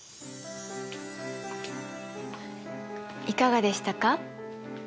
いかがでしたか？